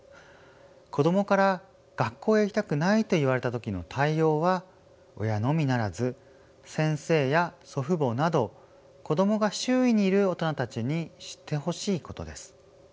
子どもから「学校へ行きたくない」と言われた時の対応は親のみならず先生や祖父母など子どもが周囲にいる大人たちに知ってほしいことです。